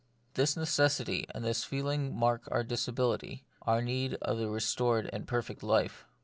This necessity and this feeling mark our disability, our need of a restored and perfect life.